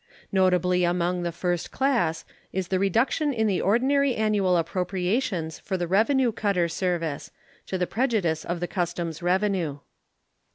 Notably among the first class is the reduction in the ordinary annual appropriations for the Revenue Cutter Service, to the prejudice of the customs revenue.